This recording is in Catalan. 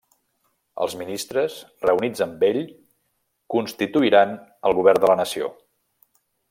Els Ministres, reunits amb ell, constituiran el Govern de la Nació.